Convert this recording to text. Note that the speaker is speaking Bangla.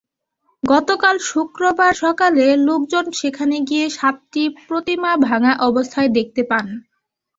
গতকাল শুক্রবার সকালে লোকজন সেখানে গিয়ে সাতটি প্রতিমা ভাঙা অবস্থায় দেখতে পান।